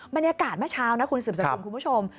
บรรยากาศเมื่อเช้านะคุณสืบสกุลคุณผู้ชม